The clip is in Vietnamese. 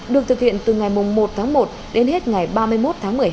được thực hiện từ ngày một tháng một đến hết ngày ba mươi một tháng một mươi hai